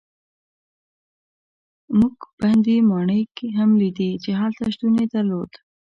موږ بندي ماڼۍ هم لیدې چې هلته شتون یې درلود.